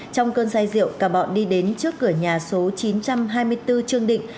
trong cơn say rượu cả bọn đi đến trước cửa nhà số chín trăm hai mươi bốn trương định